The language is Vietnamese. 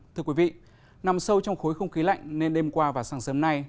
thưa quý vị nằm sâu trong khối không khí lạnh nên đêm qua và sáng sớm nay